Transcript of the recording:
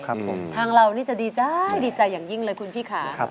ทางเรานี่จะดีใจดีใจอย่างยิ่งเลยคุณพี่ค่ะ